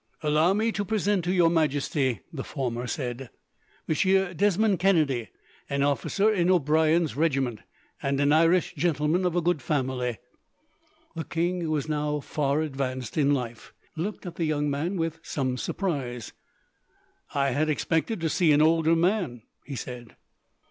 "Allow me to present, to Your Majesty," the former said, "Monsieur Desmond Kennedy, an officer in O'Brien's regiment, and an Irish gentleman of good family." The king, who was now far advanced in life, looked at the young man with some surprise. "I had expected to see an older man," he said.